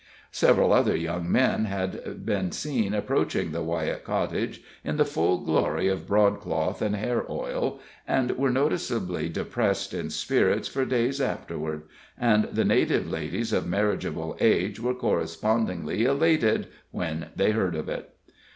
Several other young men had been seen approaching the Wyett cottage in the full glory of broadcloth and hair oil, and were noticeably depressed in spirits for days afterward, and the native ladies of marriageable age were correspondingly elated when they heard of it.